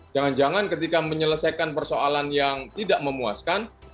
jangan jangan ketika menyelesaikan persoalan yang tidak memuaskan